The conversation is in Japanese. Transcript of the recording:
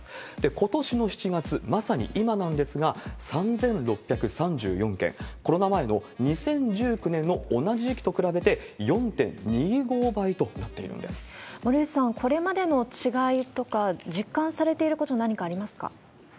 ことしの７月、まさに今なんですが、３６３４件、コロナ前の２０１９年の同じ時期と比べて４．２５倍となっている森内さん、これまでの違いとか、実感されていること、何かありますか？